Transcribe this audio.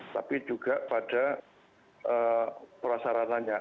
tapi juga pada prasaranannya